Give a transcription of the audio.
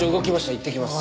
いってきます。